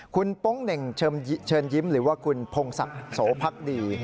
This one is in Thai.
คุณโป๊งเหน่งเชิญยิ้มหรือว่าคุณพงศักดิ์โสพักดี